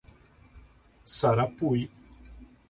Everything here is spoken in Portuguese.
Sarapuí